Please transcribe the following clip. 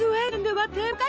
はい！